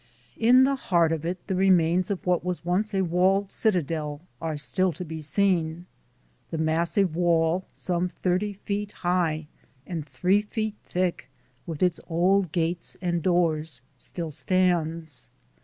In the heart of it the remains of what was once a walled citadel are still to be seen. The massive wall, some thirty feet high and three feet thick, with its old gates and doors, still stands.